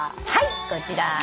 はいこちら。